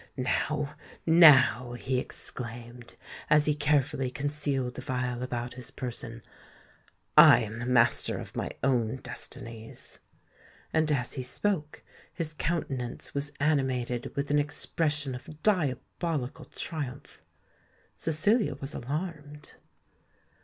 Now—now," he exclaimed, as he carefully concealed the phial about his person, "I am the master of my own destinies!" And, as he spoke, his countenance was animated with an expression of diabolical triumph. Cecilia was alarmed.